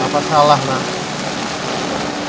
papa salah nak